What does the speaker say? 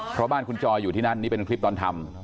เพราะบ้านคุณจอยอยู่ที่นั่นนี่เป็นคลิปตอนทำ